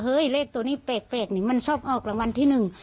เลขตัวนี้แปลกนี่มันชอบออกรางวัลที่หนึ่ง